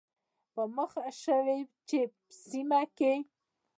په موخه شوې چې سیمه کې